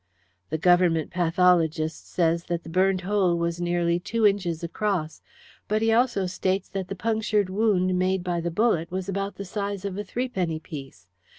"The Government pathologist says that the burnt hole was nearly two inches across, but he also states that the punctured wound made by the bullet was about the size of a threepenny piece.